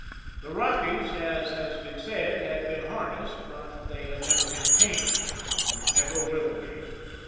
The Rockies, as has been said, had been harnessed, but they had never been tamed nor never will be.